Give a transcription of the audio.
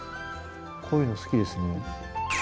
こういうの好きですね。